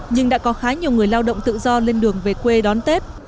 nhưng đã có khá nhiều người lao động tự do lên đường về quê đón tết